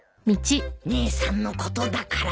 姉さんのことだから。